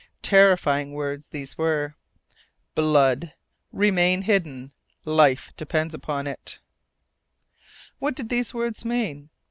Terrifying words these were: blood remain hidden life depends on it. What did these words mean?